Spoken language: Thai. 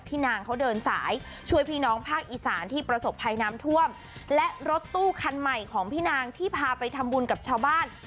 นางเขาเดินสายช่วยพี่น้องภาคอีสานที่ประสบภัยน้ำท่วมและรถตู้คันใหม่ของพี่นางที่พาไปทำบุญกับชาวบ้าน